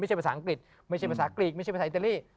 ไม่ใช่ภาษาอังกฤษไม่ใช่ภาษากรีกไม่ใช่ภาษาไอเตอรี่